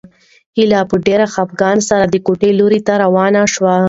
هیله په ډېر خپګان سره د کوټې لوري ته روانه شوه.